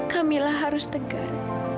kamilah harus tegar